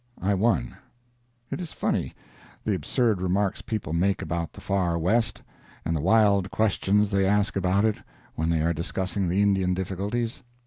I won. It is funny, the absurd remarks people make about the Far West, and the wild questions they ask about it when they are discussing the Indian difficulties.